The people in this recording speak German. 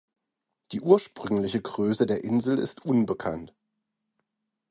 Die ursprüngliche Größe der Insel ist unbekannt.